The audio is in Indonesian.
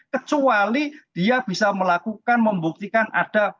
kecuali dia bisa melakukan membuktikan ada